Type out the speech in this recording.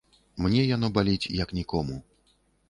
Мне яно баліць, як нікому.